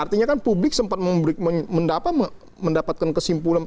artinya kan publik sempat mendapatkan kesimpulan